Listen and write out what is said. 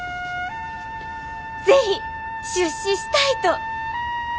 是非出資したいと！